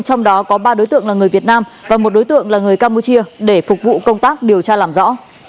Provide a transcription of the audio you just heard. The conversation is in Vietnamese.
trong đó có ba đối tượng là người việt nam và một đối tượng là người campuchia để phục vụ công tác điều tra làm rõ